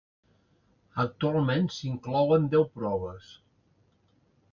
Actualment s'inclouen deu proves.